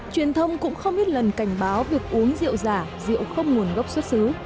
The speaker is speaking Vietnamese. truyền thông cũng không ít lần cảnh báo việc uống rượu giả rượu không nguồn gốc xuất xứ